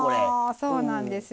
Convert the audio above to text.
そうなんですよ。